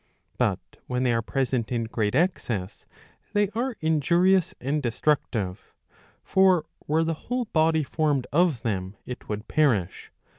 But when they are present in great excess, they are injurious and destructive. For were the whole body formed of them it would perish.